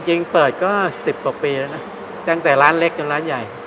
จริงเปิดก็๑๐กว่าปีแล้วนะตั้งแต่ร้านเล็กจนร้านใหญ่